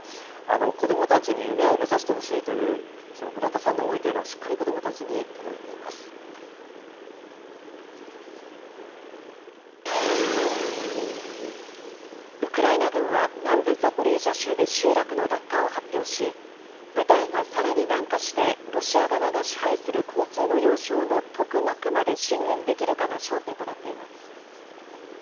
子どもたちに夢を目指してほしいという村田さんの思いというのは、しっかり子どもたちに届いていまウクライナ軍は南部ザポリージャ州で集落の奪還を発表し、部隊がさらに南下して、ロシア側が支配する交通の要衝のトクマクまで進軍できるかが焦点となっています。